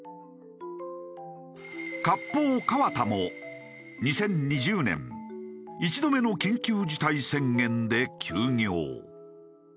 割烹川田も２０２０年１度目の緊急事態宣言で休業。